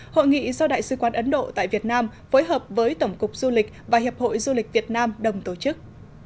hội nghị do đại sứ quán ấn độ tại việt nam phối hợp với tổng cục du lịch và hiệp hội du lịch việt nam đồng tổ chức